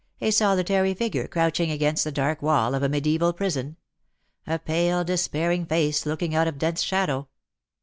A solitary figure crouching against the dark wall of a mediaeval prison. A pale despairing face looking out of dense shadow."